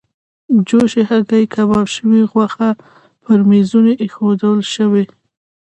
جوشې هګۍ، کباب شوې غوښه پر میزونو ایښودل شوې.